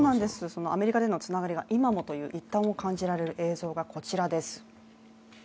アメリカでのつながりが今もという一端を感じられる映像がこちらです。